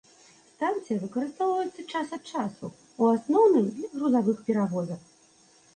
Станцыя выкарыстоўваецца час ад часу, у асноўным для грузавых перавозак.